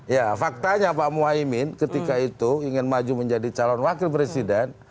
ya faktanya pak muhaymin ketika itu ingin maju menjadi calon wakil presiden